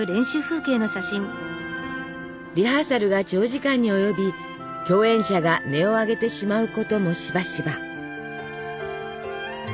リハーサルが長時間に及び共演者が音を上げてしまうこともしばしば。